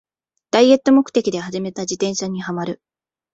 ダイエット目的で始めた自転車にハマる